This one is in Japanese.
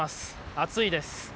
暑いです。